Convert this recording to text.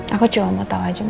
aku cuma mau tau aja mas